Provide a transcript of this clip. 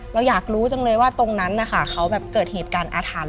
เราอยากรู้จังเลยว่าตรงนั้นนะคะเขาแบบเกิดเหตุการณ์อาถรรพ